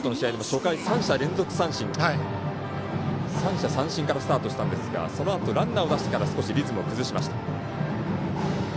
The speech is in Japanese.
初回３者三振からスタートしたんですがそのあとランナーを出してから少しリズムを崩しました。